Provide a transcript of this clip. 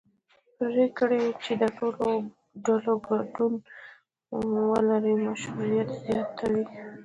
پرېکړې چې د ټولو ډلو ګډون ولري مشروعیت زیاتوي